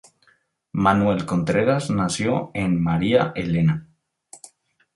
Manuel Contreras nació en María Elena.